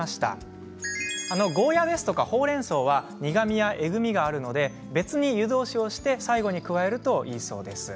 ゴーヤーやほうれんそうは苦みやえぐみがあるので別に湯通しして最後に加えるといいそうです。